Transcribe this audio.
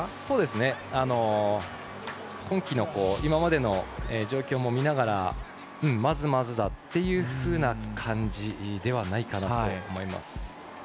そうですね、今季の今までの状況も見ながらまずまずだというふうな感じではないかなと思います。